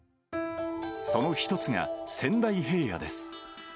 その一つが仙台平野です。